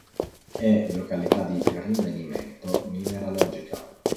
È località di rinvenimento mineralogica.